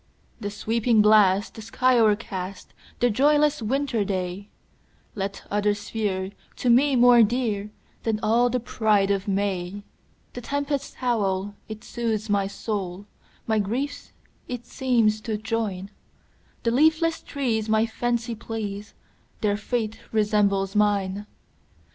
"The sweeping blast, the sky o'ercast,"The joyless winter dayLet others fear, to me more dearThan all the pride of May:The tempest's howl, it soothes my soul, My griefs it seems to join; The leafless trees my fancy please, Their fate resembles mine!